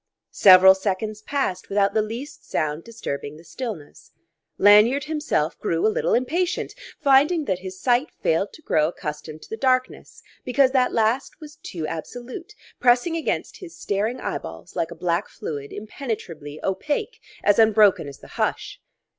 Several seconds passed without the least sound disturbing the stillness. Lanyard himself grew a little impatient, finding that his sight failed to grow accustomed to the darkness because that last was too absolute, pressing against his staring eyeballs like a black fluid impenetrably opaque, as unbroken as the hush.